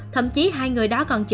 thậm chí hai người đó còn chữ